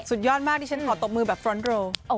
สุดยอดมากที่ฉันหอดตบมือแบบฟรอนต์โรล